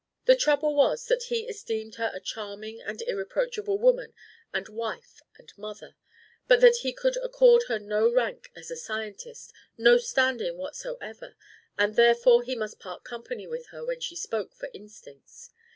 The trouble was that he esteemed her a charming and irreproachable woman and wife and mother; but that he could accord her no rank as a scientist, no standing whatsoever; and therefore he must part company with her when she spoke for instincts.